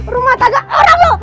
rumah tangga orang lu